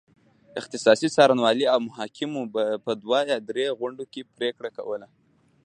اختصاصي څارنوالۍ او محاکمو به په دوه یا درې غونډو کې پرېکړه کوله.